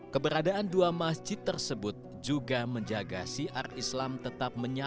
keberadaan dua masjid tersebut juga menjaga siar islam tetap menyala